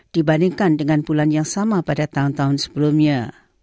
dibandingkan dengan bulan yang sama pada tahun tahun sebelumnya